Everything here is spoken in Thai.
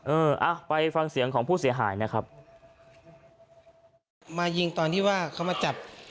เออไปฟังเสียงของผู้เสียหายนะครับ